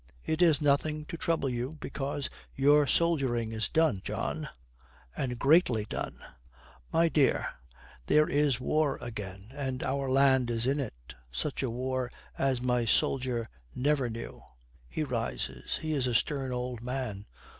It is nothing to trouble you, because your soldiering is done, John; and greatly done. My dear, there is war again, and our old land is in it. Such a war as my soldier never knew.' He rises. He is a stern old man.